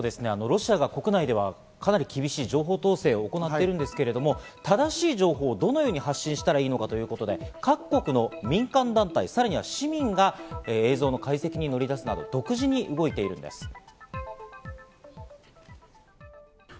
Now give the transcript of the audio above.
ロシアが国内でかなり厳しい情報統制を行っているんですけど、正しい情報をどのように発信したらいいのか、各国の民間団体、さらには市民が映像の解析に乗り出すなど独自に動いているんです。